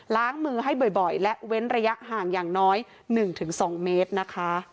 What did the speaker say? ล้างมือให้บ่อยและเว้นระยะห่างอย่างน้อย๑๒เมตรนะคะ